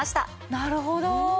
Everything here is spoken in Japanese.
なるほど！